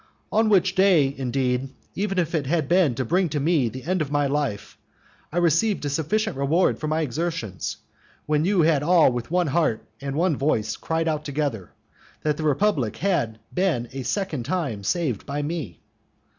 On which day, indeed, even if it had been to bring to me the end of my life, I received a sufficient reward for my exertions, when you all with one heart and one voice cried out together, that the republic had been a second time saved by me.